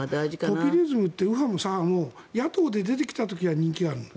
ポピュリズムって右派も左派も野党で出てきた時は人気があるの。